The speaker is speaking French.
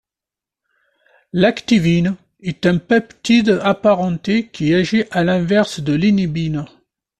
L'activine est un peptide apparenté qui agit à l'inverse de l'inhibine.